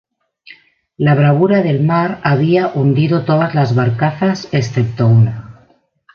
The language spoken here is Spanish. La bravura del mar había hundido todas las barcazas excepto una.